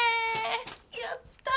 やった！